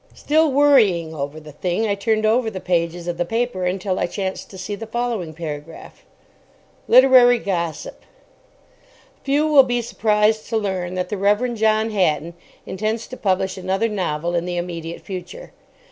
Still worrying over the thing, I turned over the pages of the paper until I chanced to see the following paragraph: LITERARY GOSSIP Few will be surprised to learn that the Rev. John Hatton intends to publish another novel in the immediate future.